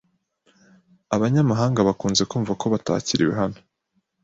Abanyamahanga bakunze kumva ko batakiriwe hano.